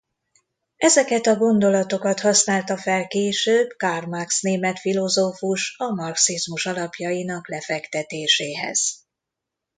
Ezeket a gondolatokat használta fel később Karl Marx német filozófus a marxizmus alapjainak lefektetéséhez.